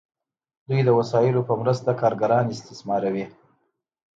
دوی د وسایلو په مرسته کارګران استثماروي.